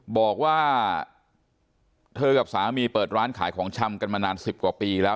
บอกว่าเธอกับสามีเปิดร้านขายของชำกันมานาน๑๐กว่าปีแล้ว